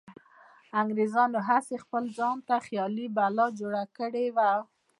انګریزانو هسې خپل ځانته خیالي بلا جوړه کړې وه.